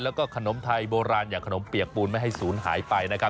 แล้วก็ขนมไทยโบราณอย่างขนมเปียกปูนไม่ให้ศูนย์หายไปนะครับ